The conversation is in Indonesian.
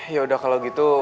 yaudah kalau gitu